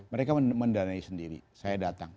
mereka mendanai sendiri saya datang